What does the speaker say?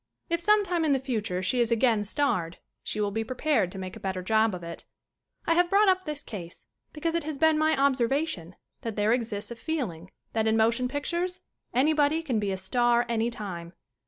If sometime in the future she is again starred she will be prepared to make a better job of it. I have brought up this case because it has been my observation that there exists a feeling that in motion pictures anybody can be a star anytime.